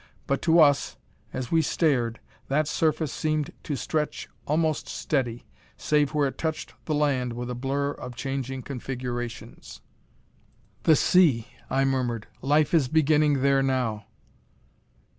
But to us, as we stared, that surface seemed to stretch almost steady, save where it touched the land with a blur of changing configurations. "The sea," I murmured. "Life is beginning there now."